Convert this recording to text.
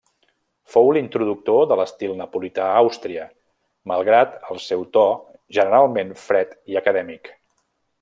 Fou l'introductor de l'estil napolità a Àustria, malgrat el seu to generalment fred i acadèmic.